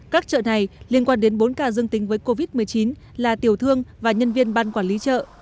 các chợ này liên quan đến bốn ca dương tính với covid một mươi chín là tiểu thương và nhân viên ban quản lý chợ